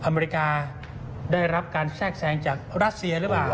อเมริกาได้รับการแทรกแทรงจากรัสเซียหรือเปล่า